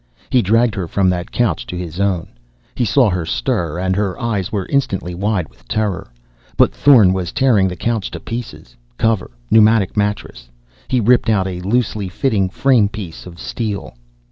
He dragged her from that couch to his own. He saw her stir, and her eyes were instantly wide with terror. But Thorn was tearing the couch to pieces. Cover, pneumatic mattress.... He ripped out a loosely fitting frame piece of steel.